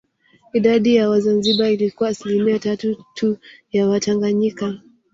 Idadi ya Wazanzibari ilikuwa asilimia tatu tu ya Watanganyika